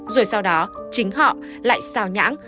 rồi sau đó chính họ lại xào nhãng